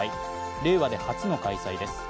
令和で初の開催です。